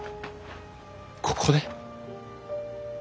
ここで？